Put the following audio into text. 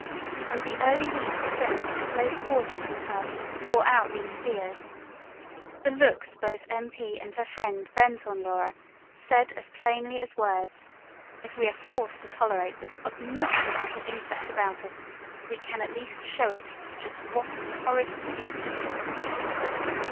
And the early weeks spent at close quarters with her bore out these fears. The looks both M. P. and her friend bent on Laura said as plainly as words: if we are forced to tolerate this obnoxious little insect about us, we can at least show it just what a horrid little beast it is.